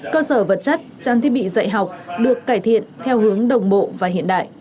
cơ sở vật chất trang thiết bị dạy học được cải thiện theo hướng đồng bộ và hiện đại